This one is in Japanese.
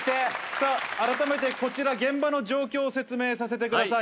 さあ、改めてこちら、現場の状況を説明させてください。